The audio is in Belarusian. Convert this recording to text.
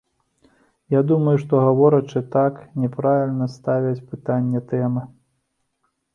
Я думаю, што, гаворачы так, няправільна ставяць пытанне тэмы.